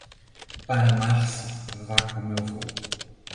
Para março, vá como eu vou.